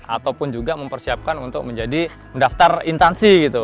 ataupun juga mempersiapkan untuk menjadi mendaftar intansi gitu